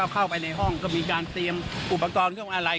เข้าไปในห้องก็มีการเตรียมอุปกรณ์เครื่องอะไร